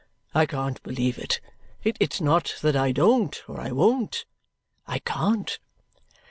I can't believe it. It's not that I don't or I won't. I can't!"